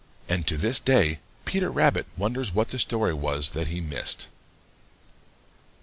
And to this day Peter Rabbit wonders what the story was that he missed.